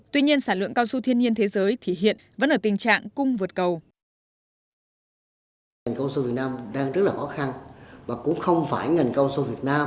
tuy nhiên sản lượng cao su thiên nhiên thế giới thì hiện vẫn ở tình trạng cung vượt cầu